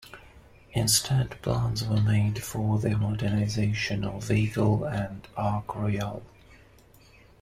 Instead plans were made for the modernisation of "Eagle" and "Ark Royal".